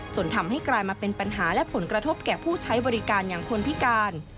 จนทำให้กลายมาเป็นปัญหาและผลกระทบแก่ผู้ใช้บริการอย่างคนพิการ